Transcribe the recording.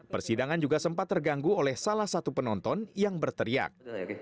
persidangan juga sempat terganggu oleh salah satu penonton yang berteriak